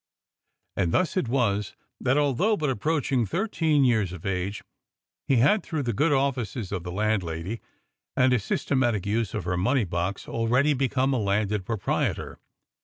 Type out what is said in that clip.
And thus it was that, although but approaching thirteen years of age, he had through the good offices of the landlady and a systematic use of her money box already become a landed proprietor.